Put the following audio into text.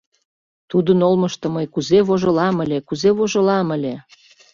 Тудын олмышто мый кузе вожылам ыле, кузе вожылам ыле!